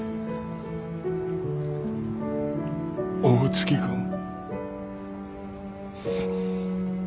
大月君。